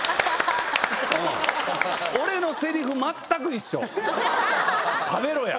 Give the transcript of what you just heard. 俺のセリフ全く一緒「食べろや」。